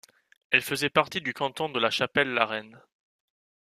Elle faisait partie du canton de La Chapelle-la-Reine.